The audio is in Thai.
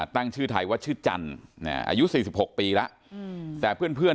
ตั้งชื่อไทยว่าชื่อจันทร์อายุ๔๖ปีแล้วแต่เพื่อน